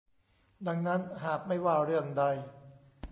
ดังนั้นหากไม่ว่าเรื่องใด